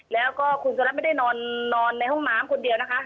แล้วก็คุณสุรัตน์ไม่ได้นอนในห้องน้ำคนเดียวนะคะ